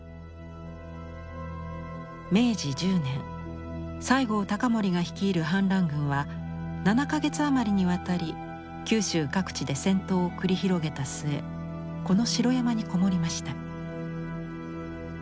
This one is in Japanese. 明治１０年西郷隆盛が率いる反乱軍は７か月余りにわたり九州各地で戦闘を繰り広げた末この城山にこもりました。